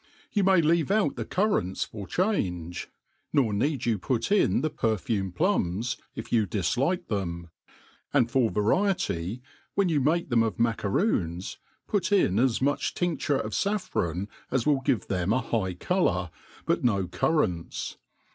You may leave out the currants for change ; nor need you put in the perfumed plums, if you diilike them ; and for va riety, when you make them of mackeroons, put in as much tijiaure of faffron as will give them a high colour, but. no cur rants.